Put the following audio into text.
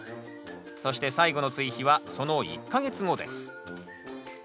そして最後の追肥はその１か月後です。